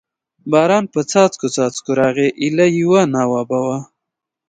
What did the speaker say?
باران په څاڅکو څاڅکو راغی، ایله یوه ناوه به و.